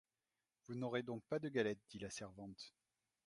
Vous n’aurez donc pas de galette, dit la servante.